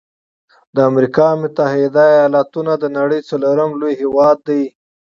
د امريکا متحده ایلاتونو د نړۍ څلورم لوی هیواد دی.